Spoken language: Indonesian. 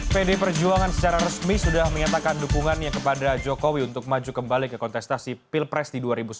pdi perjuangan secara resmi sudah menyatakan dukungannya kepada jokowi untuk maju kembali ke kontestasi pilpres di dua ribu sembilan belas